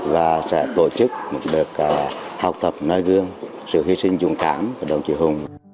và sẽ tổ chức một đợt học tập nơi gương sự hy sinh dung cảm của đồng chí hùng